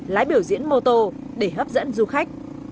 lái biểu diễn mô tô để hấp dẫn du khách